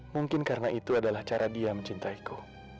mungkin karena itu adalah cara dia mencintaiku